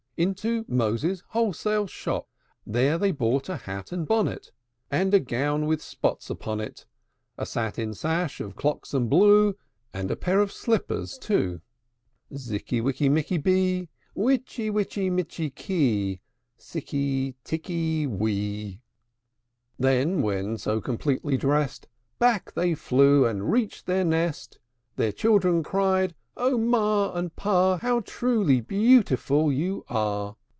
Into Moses' wholesale shop: There they bought a hat and bonnet, And a gown with spots upon it, A satin sash of Cloxam blue, And a pair of slippers too. Zikky wikky mikky bee, Witchy witchy mitchy kee, Sikky tikky wee! VII. Then, when so completely dressed, Back they flew, and reached their nest. Their children cried, "O ma and pa! How truly beautiful you are!"